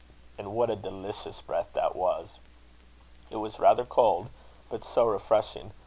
And what a delicious breath that was! It was rather cold, but so refreshing.